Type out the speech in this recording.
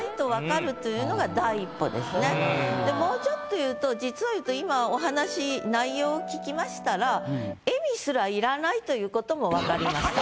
これをもうちょっと言うと実を言うと今お話内容を聞きましたらということも分かりました。